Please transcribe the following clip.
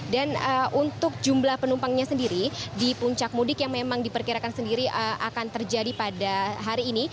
dan untuk jumlah penumpangnya sendiri di puncak mudik yang memang diperkirakan sendiri akan terjadi pada hari ini